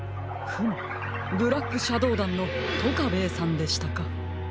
フムブラックシャドーだんのトカベエさんでしたか。